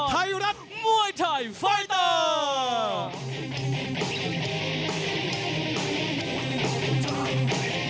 ไทยรัฐมวยไทยไฟเตอร์